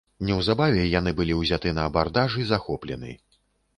Неўзабаве яны былі ўзяты на абардаж і захоплены.